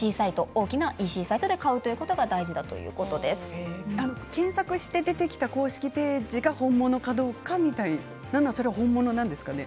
大きなＥＣサイトで買う検索して出てきた公式ページが本物かどうかみたいなのは、それが本物なんですかね。